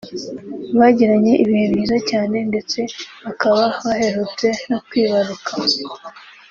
bagiranye ibihe byiza cyane ndetse bakaba baherutse no kwibaruka